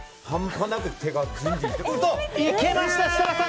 いけました、設楽さん！